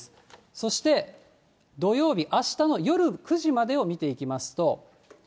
そして土曜日、あしたの夜９時までを見ていきますと。